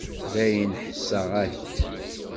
Dayen, ḥesseɣ-ak-d.